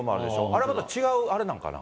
あれはまた違うあれなんかな？